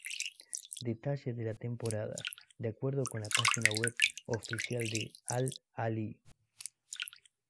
Detalle de la temporada: De acuerdo con la página web oficial del Al-Ahly